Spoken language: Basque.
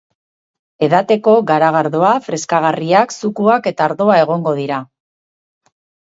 Edateko, garagardoa, freskagarriak, zukuak eta ardoa egongo dira.